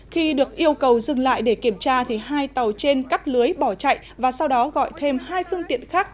khi được yêu cầu dừng lại để kiểm tra thì hai tàu trên cắt lưới bỏ chạy và sau đó gọi thêm hai phương tiện khác